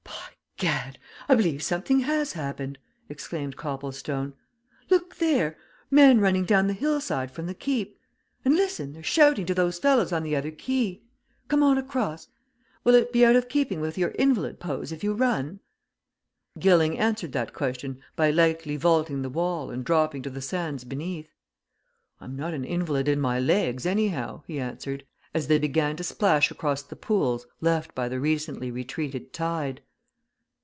"By Gad! I believe something has happened!" exclaimed Copplestone. "Look there men running down the hillside from the Keep. And listen they're shouting to those fellows on the other quay. Come on across! Will it be out of keeping with your invalid pose if you run?" Gilling answered that question by lightly vaulting the wall and dropping to the sands beneath. "I'm not an invalid in my legs, anyhow," he answered, as they began to splash across the pools left by the recently retreated tide.